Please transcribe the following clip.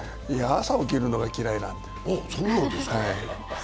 朝起きるのが嫌いなんです。